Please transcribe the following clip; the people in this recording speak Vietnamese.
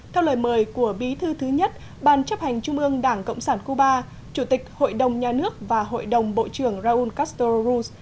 theo lời mời của bí thư thứ nhất ban chấp hành trung ương đảng cộng sản cuba chủ tịch hội đồng nhà nước và hội đồng bộ trưởng raúl castro ruz